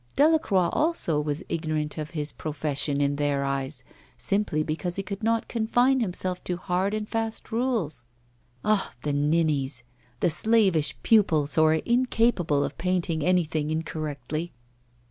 Delacroix also was ignorant of his profession in their eyes, simply because he could not confine himself to hard and fast rules! Ah! the ninnies, the slavish pupils who are incapable of painting anything incorrectly!